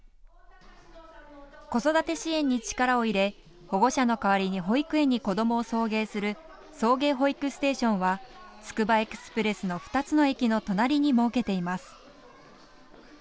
子育て支援に力を入れ保護者の代わりに保育園に子どもを送迎する送迎保育ステーションはつくばエクスプレスの２つの駅の隣に設けています。